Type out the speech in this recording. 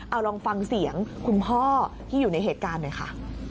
เอาลองฟังเสียงคุณพ่อที่อยู่ในเหตุการณ์หน่อยค่ะ